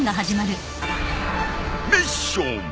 ミッション。